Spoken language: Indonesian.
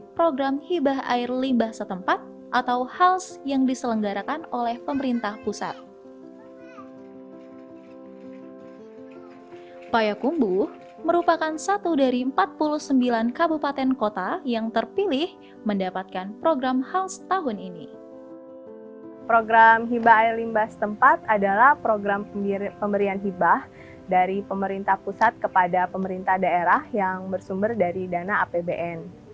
program hibah air limbas tempat adalah program pemberian hibah dari pemerintah pusat kepada pemerintah daerah yang bersumber dari dana apbn